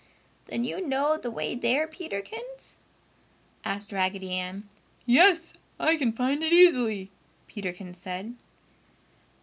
"Then you know the way there, Peterkins?" asked Raggedy Ann. "Yes, I can find it easily," Peterkins said.